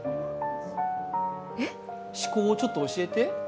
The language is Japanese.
思考をちょっと教えて。